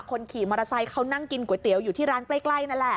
คนขี่มอเตอร์ไซค์เขานั่งกินก๋วยเตี๋ยวอยู่ที่ร้านใกล้นั่นแหละ